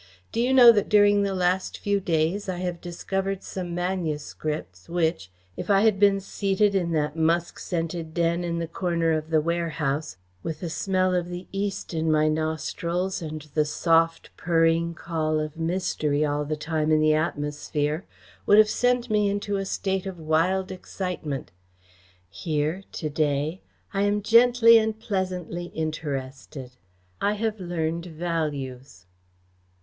Do you know that during the last few days I have discovered some manuscripts which, if I had been seated in that musk scented den in the corner of the warehouse, with the smell of the East in my nostrils and the soft, purring call of mystery all the time in the atmosphere, would have sent me into a state of wild excitement. Here, to day, I am gently and pleasantly interested. I have learned values."